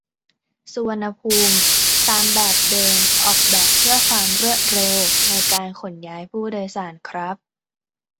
สุวรรณภูมิ ตามแบบเดิมออกแบบเพื่อความรวดเร็วในการขนย้ายผู้โดยสารครับ